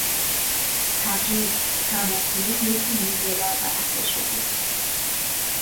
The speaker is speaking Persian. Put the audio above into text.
تبریک! هم اکنون یک میلیون دلار برنده شدید!